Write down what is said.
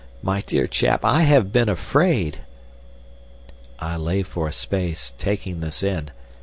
My dear chap! I have been afraid..." I lay for a space taking this in.